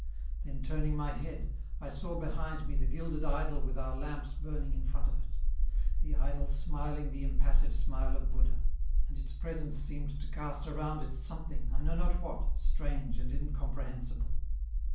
Then, turning my head, I saw behind me the gilded idol with our lamps burning in front of it; the idol smiling the impassive smile of Buddha; and its presence seemed to cast around it something, I know not what, strange and incomprehensible.